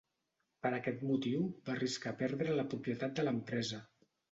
Per aquest motiu va arriscar perdre la propietat de l'empresa.